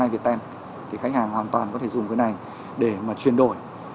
viettel thì khách hàng hoàn toàn có thể dùng cái này để mà chuyển đổi